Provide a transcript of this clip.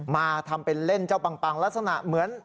มาทำเป็นเล่นเจ้าปังลักษณะเหมือน